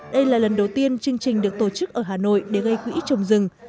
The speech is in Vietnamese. đây là lần đầu tiên chương trình được tổ chức ở hà nội để gây quỹ trồng rừng